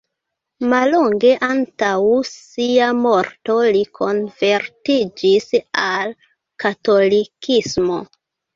Mallonge antaŭ sia morto li konvertiĝis al katolikismo.